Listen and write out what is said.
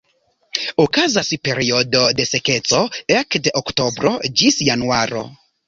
Okazas periodo de sekeco ekde oktobro ĝis januaro.